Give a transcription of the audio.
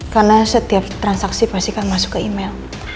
karena setiap transaksi pasti akan masuk ke email